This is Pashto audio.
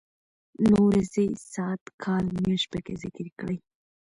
نو ورځې ،ساعت، کال ،مياشت پکې ذکر کړي.